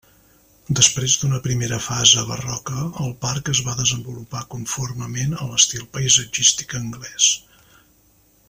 Després d'una primera fase barroca el parc es va desenvolupar conformement a l'estil paisatgístic anglès.